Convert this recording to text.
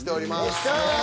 よっしゃ。